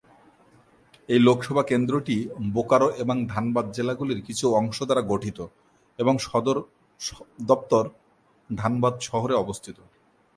এই লোকসভা কেন্দ্রটি বোকারো এবং ধানবাদ জেলাগুলির কিছু অংশ দ্বারা গঠিত এবং সদর দফতর ধানবাদ শহরে অবস্থিত।